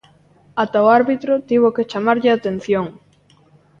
Ata o árbitro tivo que chamarlle a atención.